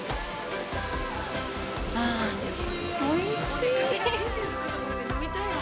ああ、おいしい。